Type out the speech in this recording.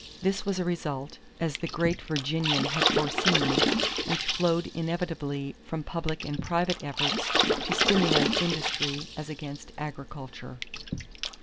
This was a result, as the great Virginian had foreseen, which flowed inevitably from public and private efforts to stimulate industry as against agriculture.